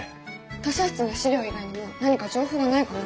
図書室の史料以外にも何か情報はないかな？